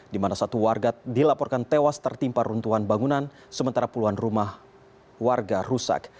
di mana satu warga dilaporkan tewas tertimpa runtuhan bangunan sementara puluhan rumah warga rusak